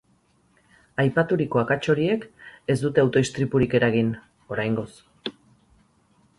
Aipaturiko akats horiek ez dute auto-istripurik eragin, oraingoz.